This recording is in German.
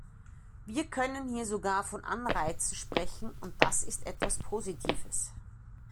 Wir können hier sogar von Anreizen sprechen, und das ist etwas Positives.